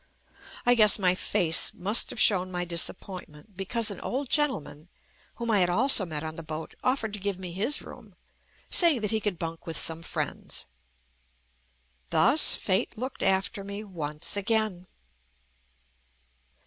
I guess my face must have shown my disappointment, because an old gentleman, whom I had also met on the boat, offered to give me his room, saying that he could bunk with some friends. Thus fate looked after me once again.